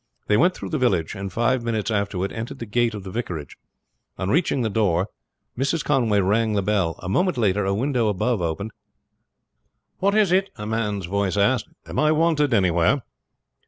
They went through the village, and five minutes afterward entered the gate of the vicarage. On reaching the door Mrs. Conway rang the bell. A moment later a window above opened. "What is it?" a man's voice asked. "Am I wanted anywhere?"